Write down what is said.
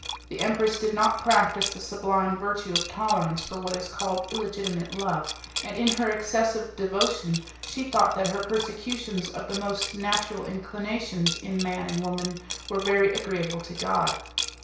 The empress did not practise the sublime virtue of tolerance for what is called illegitimate love, and in her excessive devotion she thought that her persecutions of the most natural inclinations in man and woman were very agreeable to God.